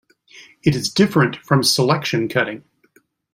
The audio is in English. It is different from Selection cutting.